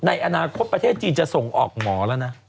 ในอนาคตประเทศจีนจะส่งออกหมอแล้วนะ